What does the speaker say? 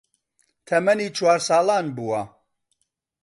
تەمەنی چوار ساڵان بووە